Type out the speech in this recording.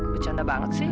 bercanda banget sih